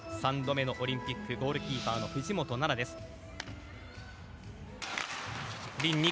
３度目のオリンピックゴールキーパーの藤本那菜です。